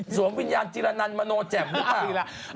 สวมวิญญาณจิละนันต์มาโนแจบหรือเปล่า